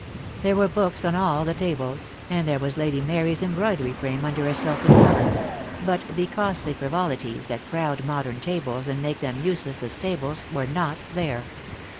There were books on all the tables, and there was Lady Mary's embroidery frame under a silken cover — but the costly frivolities that crowd modern tables and make them useless as tables were not there.